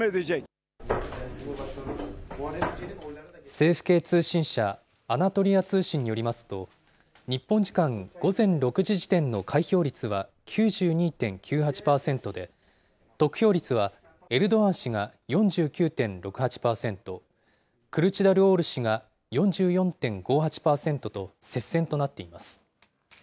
政府系通信社、アナトリア通信によりますと、日本時間午前６時時点の開票率は９２．９８％で、得票率はエルドアン氏が４９．６８％、クルチダルオール氏が４４．５８％と、接戦となっています。